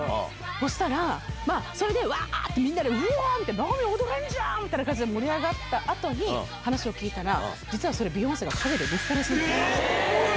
そしたら、それでわーって、みんなでうおーって、直美踊れんじゃんみたいな感じで盛り上がったあとに、話を聞いたら、それ実は、ビヨンセが陰で見てたらしいんですよ。